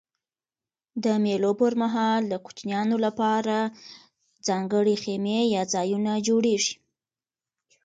د مېلو پر مهال د کوچنيانو له پاره ځانګړي خیمې یا ځایونه جوړېږي.